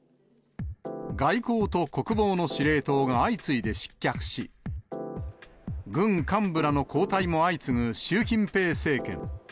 外交と国防の司令塔が相次いで失脚し、軍幹部らの交代も相次ぐ習近平政権。